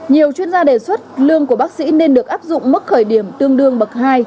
nhiều chuyên gia đề xuất lương của bác sĩ nên được áp dụng mức khởi điểm tương đương bậc hai